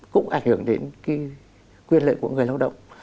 cũng ảnh hưởng đến cái quyền lợi của người lao động